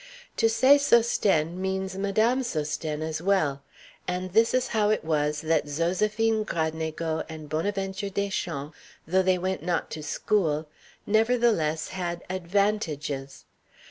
To say Sosthène, means Madame Sosthène as well; and this is how it was that Zoséphine Gradnego and Bonaventure Deschamps, though they went not to school, nevertheless had "advantages."